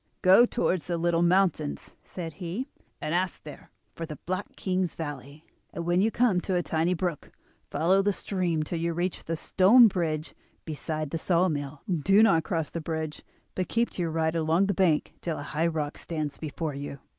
"'Go towards the little mountains,' said he, 'and ask there for the Black King's Valley, and when you come to a tiny brook follow the stream till you reach the stone bridge beside the saw mill. Do not cross the bridge, but keep to your right along the bank till a high rock stands before you.